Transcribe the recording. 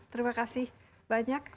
terima kasih banyak